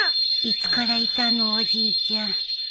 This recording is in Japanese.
いつからいたのおじいちゃん。